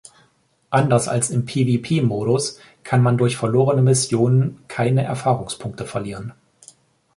Anders als im PvP-Modus kann man durch verlorene Missionen keine Erfahrungspunkte verlieren.